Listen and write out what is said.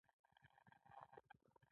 د ارزګان په ګیزاب کې کوم کانونه دي؟